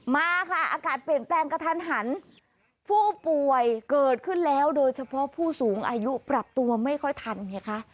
มาค่ะอากาศเปลี่ยนแปลงกระทันหันผู้ป่วยเกิดขึ้นแล้วโดยเฉพาะผู้สูงอายุปรับตัวไม่ค่อยทันไงคะ